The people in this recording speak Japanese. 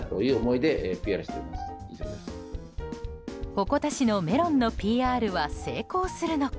鉾田市のメロンのＰＲは成功するのか。